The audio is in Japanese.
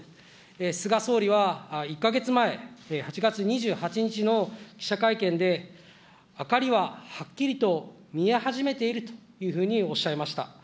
菅総理は１か月前、８月２８日の記者会見で、明かりははっきりと見え始めているというふうにおっしゃいました。